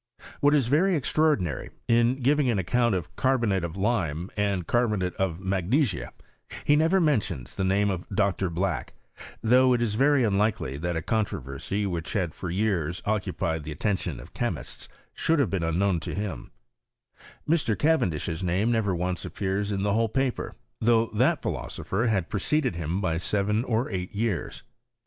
What is very extraordi nary, in giving an account of carbonate of lime aitd carbonate of magnesia, he never mentions the name of Dr. Black; though it is very unlikely that Oi con troversy, which had for years occupied the attentioa of chemists, should have been unknown to hinu Mr. Cavendish's name never once appears in th» whole paper; though that philosopher had preceded him by seven or eight years.